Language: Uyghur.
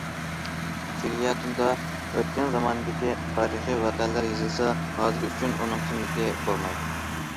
فېليەتوندا ئۆتكەن زاماندىكى تارىخىي ۋەقەلەر يېزىلسا، ھازىر ئۈچۈن ئۇنىڭ قىممىتى بولمايدۇ.